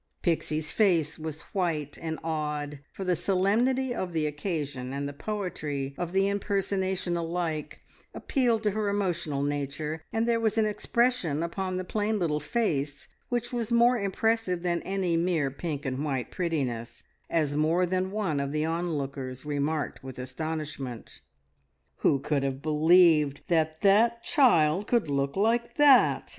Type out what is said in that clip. Pixie's face was white and awed, for the solemnity of the occasion and the poetry of the impersonation alike appealed to her emotional nature, and there was an expression upon the plain little face which was more impressive than any mere pink and white prettiness, as more than one of the onlookers remarked with astonishment. "Who could have believed that that child could look like that?"